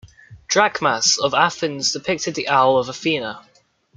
Drachmas of Athens depicted the owl of Athena.